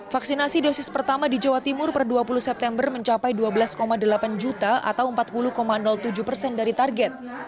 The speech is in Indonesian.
vaksinasi dosis pertama di jawa timur per dua puluh september mencapai dua belas delapan juta atau empat puluh tujuh persen dari target